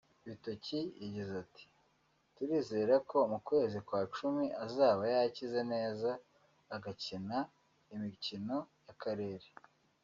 Bitok yagize ati” Turizere ko mu kwezi kwa cumi azaba yakize neza agakina imikino y’akarere